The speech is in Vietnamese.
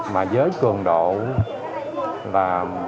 mà với cường độ là bệnh viện từ dũ